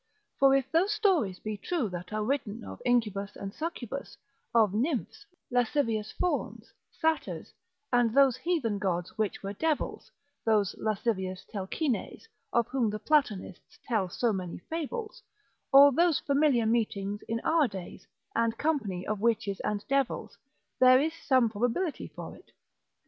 For if those stories be true that are written of incubus and succubus, of nymphs, lascivious fauns, satyrs, and those heathen gods which were devils, those lascivious Telchines, of whom the Platonists tell so many fables; or those familiar meetings in our days, and company of witches and devils, there is some probability for it.